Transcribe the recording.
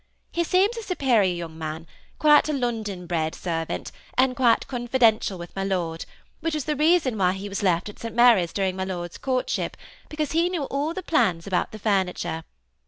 He seems a superior young man, quite a London bred ser vant, and quite confidential with my Lord, which was the reason why he was left at St. Mary's during my Lord's courtship, because he knew all the plans about the furniture.